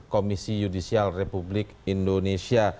komisi yudisial republik indonesia